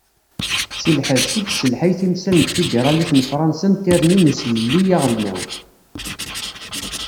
Si lhebs, i yesselḥay timsal n tfidiralit n fransa n tirni n uselelli aɣelnaw.